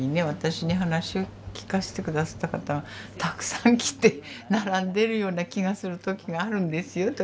私に話をきかせて下さった方がたくさん来て並んでるような気がする時があるんですよ。